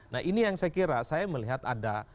nah ini yang saya kira saya melihat ada